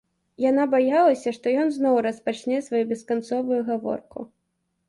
Яна баялася, што ён зноў распачне сваю бесканцовую гаворку.